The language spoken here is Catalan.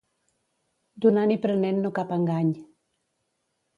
Donant i prenent no cap engany.